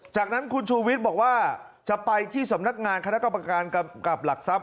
จากนั้นคุณชูวิทย์บอกว่าจะไปที่สำนักงานคณะกรรมการกำกับหลักทรัพย